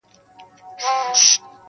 د الماسو یو غمی وو خدای راکړی,